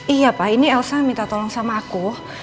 iya pak ini elsa minta tolong sama aku